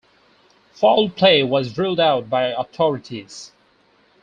Foul play was ruled out by authorities.